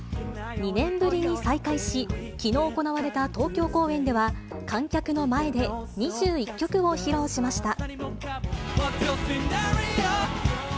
２年ぶりに再開し、きのう行われた東京公演では、観客の前で２１曲を披露しました。